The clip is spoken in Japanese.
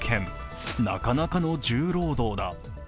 なかなかの重労働だ。